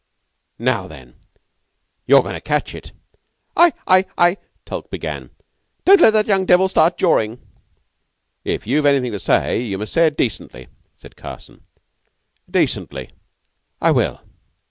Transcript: Now then, you're going to catch it." "I I I " Tulke began. "Don't let that young devil start jawing." "If you've anything to say you must say it decently,'' said Carson. "Decently? I will.